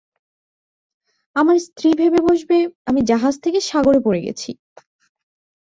আমার স্ত্রী ভেবে বসবে আমি জাহাজ থেকে সাগরে পড়ে গেছি।